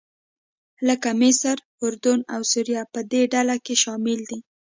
لکه مصر، اردن او سوریه په دې ډله کې شامل دي.